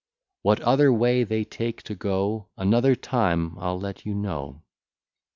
What other way they take to go, Another time I'll let you know.